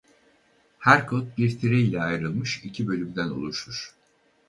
Her kod bir tire ile ayrılmış iki bölümden oluşur.